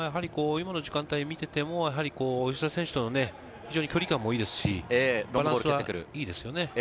今の時間帯を見ていても吉田選手との距離感もいいですし、バランスがいいですね。